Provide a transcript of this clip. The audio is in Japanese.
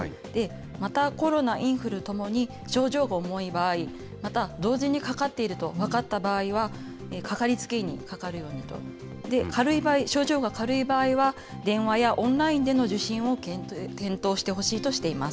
また、コロナ、インフルともに症状が重い場合、また、同時にかかっていると分かった場合は、かかりつけ医にかかるようにと、症状が軽い場合は、電話やオンラインでの受診を検討してほしいとしています。